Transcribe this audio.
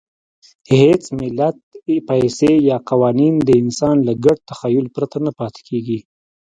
هېڅ ملت، پیسې یا قوانین د انسان له ګډ تخیل پرته نه پاتې کېږي.